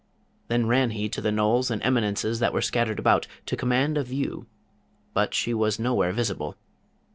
Then ran he to the knolls and eminences that were scattered about, to command a view, but she was nowhere visible.